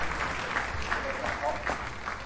ผู้บริหารท้องถิ่น